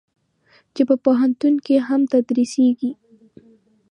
چې په پوهنتون کې هم تدریسېږي.